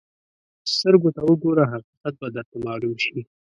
سترګو ته وګوره، حقیقت به درته معلوم شي.